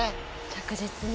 着実に。